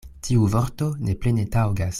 Tiu vorto ne plene taŭgas.